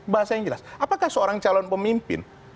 bahasa yang jelas apakah seorang calon pemimpin